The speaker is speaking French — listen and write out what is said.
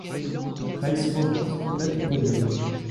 Raith Rovers complète le podium.